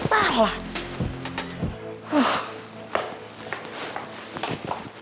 aduh pak telat pak